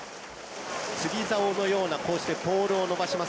釣り竿のようなポールを伸ばします。